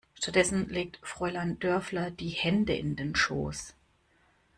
Stattdessen legt Fräulein Dörfler die Hände in den Schoß.